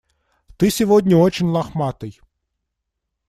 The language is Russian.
Ты сегодня очень лохматый.